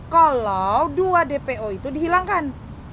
kalau dua dpo itu dihilangkan